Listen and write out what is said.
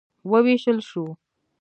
وویشتل شو.